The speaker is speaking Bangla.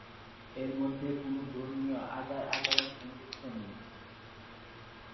এর মধ্যে কোনো ধর্মীয় আচার-আচরণ সংযুক্ত নেই।